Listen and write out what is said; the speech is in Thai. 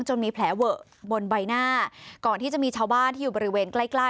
จนมีแผลเวอะบนใบหน้าก่อนที่จะมีชาวบ้านที่อยู่บริเวณใกล้เข้ามาช่วยเหลือ